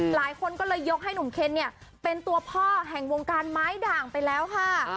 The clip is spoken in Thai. หลายคนก็เลยยกให้หนุ่มเคนเนี่ยเป็นตัวพ่อแห่งวงการไม้ด่างไปแล้วค่ะ